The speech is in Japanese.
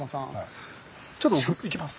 ちょっと僕行きます。